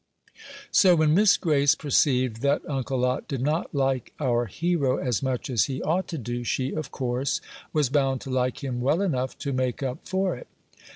So when Miss Grace perceived that Uncle Lot did not like our hero as much as he ought to do, she, of course, was bound to like him well enough to make up for it.